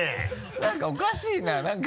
何かおかしいななんか。